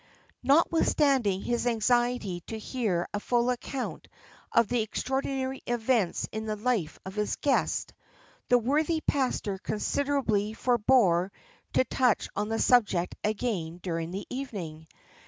Notwithstanding his anxiety to hear a full account of the extraordinary events in the life of his guest, the worthy pastor considerately forebore to touch on the subject again during the evening.